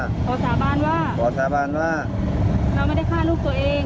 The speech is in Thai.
ขอสาบานว่าขอสาบานว่าเราไม่ได้ฆ่าลูกตัวเอง